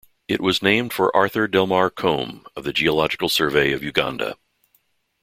It was named for Arthur Delmar Combe of the Geological Survey of Uganda.